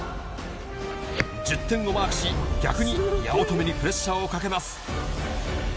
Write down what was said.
１０点をマークし、逆に八乙女にプレッシャーをかけます。